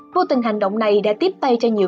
vô tình hành động này đã tiếp tay cho nhiều